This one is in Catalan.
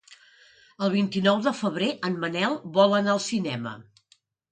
El vint-i-nou de febrer en Manel vol anar al cinema.